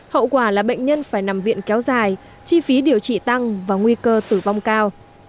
hậu quả là bệnh nhân phải nằm viện kéo dài chi phí điều trị tăng và nguy cơ tử vong cao